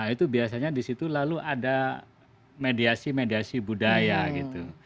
itu biasanya di situ lalu ada mediasi mediasi budaya gitu